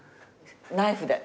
ナイフで。